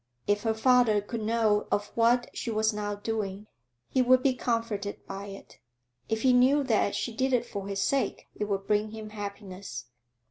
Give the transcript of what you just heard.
If her father could know of what she was now doing, he would be comforted by it; if he knew that she did it for his sake it would bring him happiness.